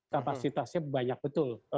kapasitasnya banyak betul